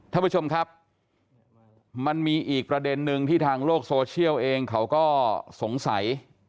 ท่านผู้ชมครับมันมีอีกประเด็นนึงที่ทางโลกโซเชียลเองเขาก็สงสัย